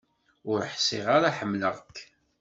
Ur ḥṣiɣ ara ḥemleɣ-k.